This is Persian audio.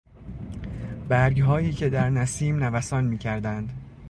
برگهایی که در نسیم نوسان میکردند.